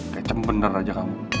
kecem bener aja kamu